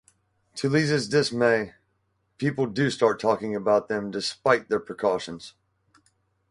To Liza's dismay, people do start talking about them despite their precautions.